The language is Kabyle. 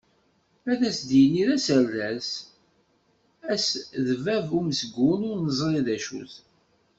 Ass ad d-yini d aserdas, ass d bab umezgun, ur neẓri d acu-t.